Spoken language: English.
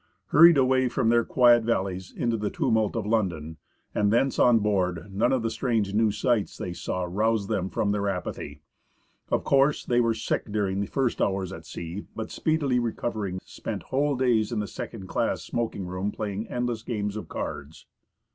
Hurried away from their quiet valleys into the tumult of London, and thence on board, none of the strange new sights they saw roused them from their apathy. Of course they were sick during the first hours at sea, but speedily recovering, spent whole days in the second class smoking room playing endless games of cards.